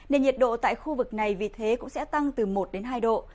nên nhiệt độ tại khu vực này vì thế cũng sẽ tăng từ một đến hai độ